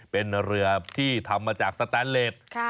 เป็นเรือที่ทำมาจากสแตนเลส